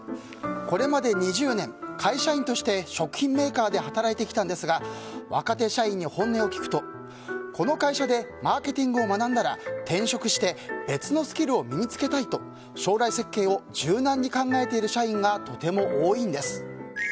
これまでに２０年会社員として食品メーカーで働いてきたんですが若手社員に本音を聞くとこの会社でマーケティングを学んだら、転職して別のスキルを身に着けたいと将来設計を柔軟に考えている社員がとても多いんです。